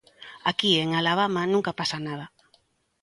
Aquí en Alabama nunca pasa nada.